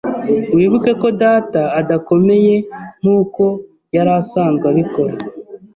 Wibuke ko Data adakomeye nkuko yari asanzwe abikora.